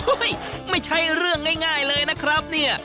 ไม่ใช่เรื่องง่ายเลยนะครับเนี่ย